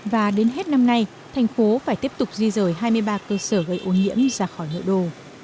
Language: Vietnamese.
và đến hết năm nay thành phố phải tiếp tục di rời hai mươi ba cơ sở gây ô nhiễm ra khỏi nội đô